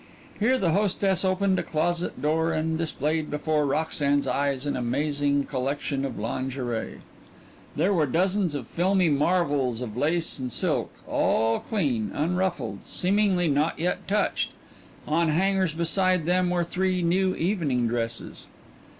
Here the hostess opened a closet door and displayed before Roxanne's eyes an amazing collection of lingerie. There were dozens of filmy marvels of lace and silk, all clean, unruffled, seemingly not yet touched. On hangers beside them were three new evening dresses.